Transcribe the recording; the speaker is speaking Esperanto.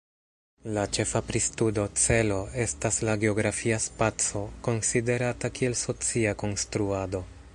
La ĉefa pristudo celo estas la geografia spaco, konsiderata kiel socia konstruado.